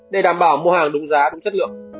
để đảm bảo mua hàng đúng giá đúng chất lượng